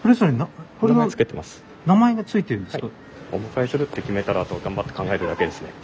名前が付いてるんですか？